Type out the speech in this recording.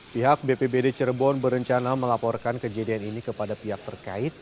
pihak bpbd cirebon berencana melaporkan kejadian ini kepada pihak terkait